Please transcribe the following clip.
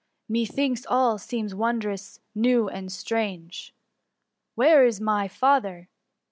Methinks all seems wondrous, new, and strange! Where is my father